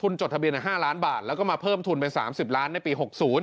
คุณจดทะเบียน๕ล้านบาทแล้วก็มาเพิ่มทุนไป๓๐ล้านในปี๖๐